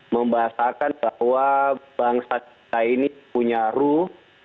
membahasakan bahwa bangsa kita ini punya ruh